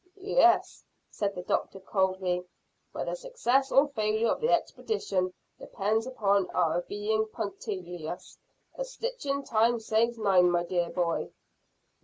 "Yes," said the doctor coldly, "but the success or failure of the expedition depends upon our being punctilious. A stitch in time saves nine, my dear boy."